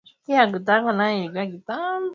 Sociedad Pharma Indigena Misak Manasr